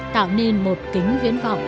tạo nên một kính viễn vọng